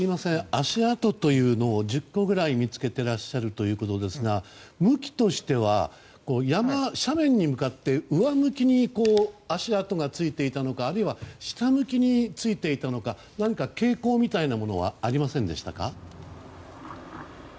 足跡というのを１０個ぐらい見つけていらっしゃるということですが向きとしては斜面に向かって上向きに足跡がついていたのかあるいは下向きについていたのか何か傾向みたいなものはありましたか？